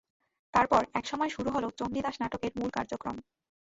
তারপর একসময় শুরু হলো চণ্ডীদাস নাটকের মূল কার্যক্রম।